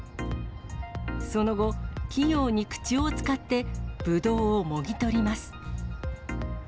その後、器用に口を使って、ブドウをもぎ取ります。